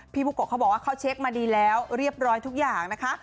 บุโกะเขาบอกว่าเขาเช็คมาดีแล้วเรียบร้อยทุกอย่างนะคะ